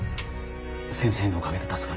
先生のおかげで助かりました。